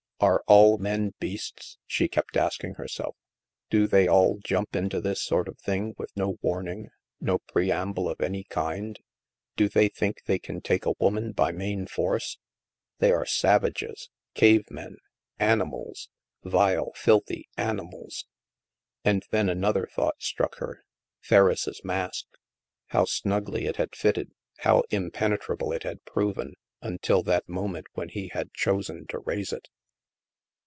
Are all men beasts?" she kept asking herself. " Do they all jump into this sort of thing with no warning, no preamble of any kind? Do they think they can take a woman by main force ? They are savages, cave men, animals! Vile, filthy animals! *' And then another thought struck her. Ferriss' mask ! How snugly it had fitted, how impenetrable it had proven, until that moment when he had chosen to raise it